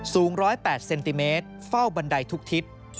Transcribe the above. สูง๑๐๘เซนติเมตรเฝ้าบันไดทุกทิศ